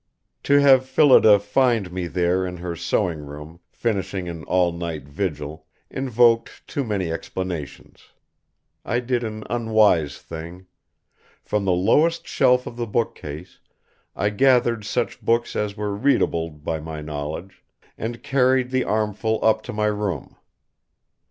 To have Phillida find me there in her sewing room, finishing an all night vigil, involved too many explanations. I did an unwise thing. From the lowest shelf of the bookcase I gathered such books as were readable by my knowledge, and carried the armful up to my room.